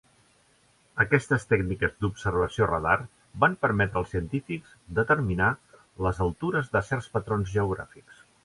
Aquestes tècniques d'observació radar van permetre als científics determinar les altures de certs patrons geogràfics.